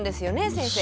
先生。